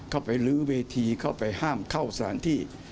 เข้าไปลื้อเวทีเข้าไปห้ามเข้าสถานที่